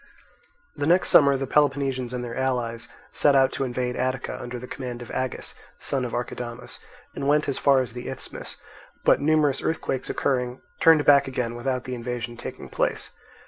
The next summer the Peloponnesians and their allies set out to invade Attica under the command of Agis, son of Archidamus, and went as far as the Isthmus, but numerous earthquakes occurring, turned back again without the invasion taking place.